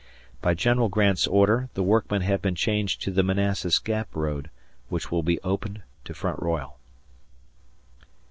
By General Grant's order, the workmen have been changed to the Manassas Gap road, which will be opened to Front Royal.